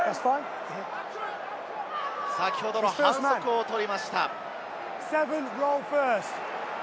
先ほどの反則を取りました。